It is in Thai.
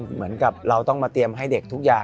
เหมือนกับเราต้องมาเตรียมให้เด็กทุกอย่าง